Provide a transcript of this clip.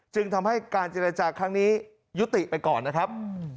จึงทำให้การเจรจาครั้งนี้ยุติไปก่อนนะครับ